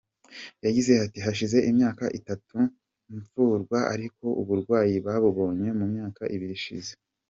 Yagize ati “Hashize imyaka itatu mvurwa ariko uburwayi babubonye mu myaka ibiri ishize.